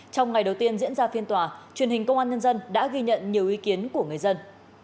trong ngày đầu tiên diễn ra phiên tòa truyền hình công an nhân dân đã ghi nhận nhiều ý kiến của người dân